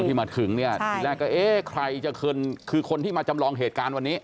ที่มาถึงเนี่ยทีแรกก็เอ๊ะใครจะคืนคือคนที่มาจำลองเหตุการณ์วันนี้